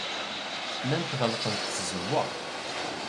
Llant ɣelqent tzewwa?